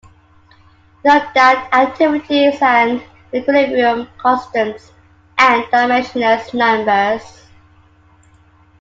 Note that activities and equilibrium constants are dimensionless numbers.